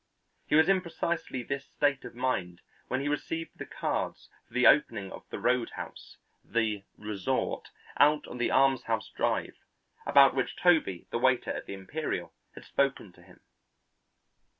He was in precisely this state of mind when he received the cards for the opening of the roadhouse, the "resort" out on the Almshouse drive, about which Toby, the waiter at the Imperial, had spoken to him.